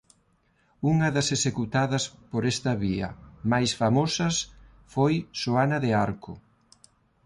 Unha das executadas por esta vía máis famosas foi Xoana de Arco.